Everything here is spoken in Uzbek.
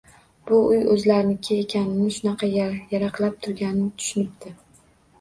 Bu uy oʻzlariniki ekanini shunaqa yaraqlab turganini tushunibdi